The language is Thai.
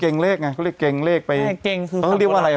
เขาเรียกว่าอะไร